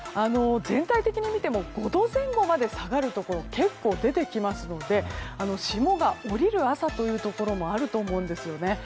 全体的に見ても５度前後まで下がるところ結構、出てきますので霜が降りる朝というところもあると思うんですよね。